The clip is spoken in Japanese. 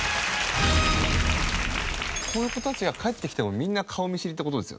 こういう子たちが帰ってきてもみんな顔見知りって事ですよね。